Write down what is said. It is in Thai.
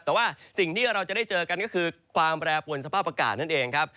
แต่ว่าสิ่งที่เราจะได้เจอกันก็คือความแปรปวนสภาพอากาศนั่นเองครับ